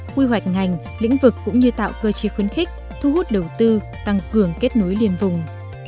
quy hoạch ngành lĩnh vực cũng như tạo cơ chế khuyến khích thu hút đầu tư tăng cường kết nối liên vùng